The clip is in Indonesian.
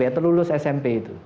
atau lulus smp itu